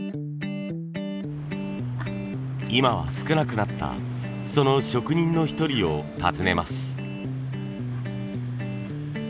今は少なくなったその職人の一人を訪ねます。